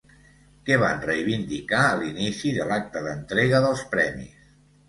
Què van reivindicar a l'inici de l'acte d'entrega dels premis?